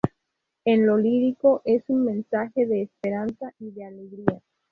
En lo lírico es un mensaje de esperanza y de alegría.